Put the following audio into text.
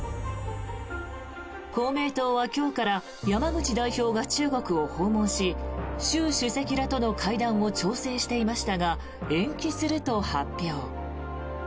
公明党は今日から山口代表が中国を訪問し習主席らとの会談を調整していましたが延期すると発表。